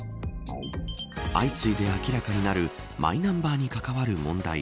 相次いで明らかになるマイナンバーに関わる問題。